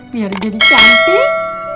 biar jadi cantik